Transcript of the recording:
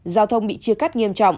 giao thông bị chia cắt nghiêm trọng